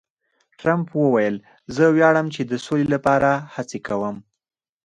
ټرمپ وویل، زه ویاړم چې د سولې لپاره هڅې کوم.